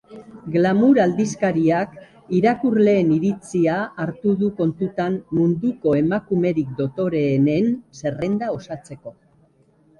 Glamour aldizkariak irakurleen iritzia hartu du kontutan munduko emakumerik dotoreenen zerrenda osatzeko.